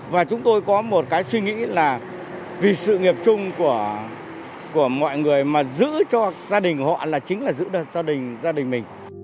và chúng tôi có một cái suy nghĩ là vì sự nghiệp chung của mọi người mà giữ cho gia đình họ là chính là giữ được gia đình gia đình mình